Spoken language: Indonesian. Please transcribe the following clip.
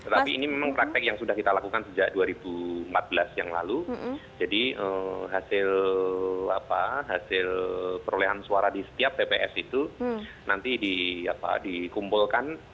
tapi ini memang praktek yang sudah kita lakukan sejak dua ribu empat belas yang lalu jadi hasil perolehan suara di setiap tps itu nanti dikumpulkan